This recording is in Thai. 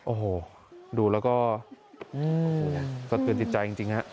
โอ้โหดูแล้วก็สะเทือนจิตใจจริงฮะ